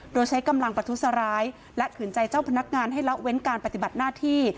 โดยใช้กำลังประทุษร้ายและขืนใจเจ้าพนักงานให้ละเว้นการปฏิบัติหน้าที่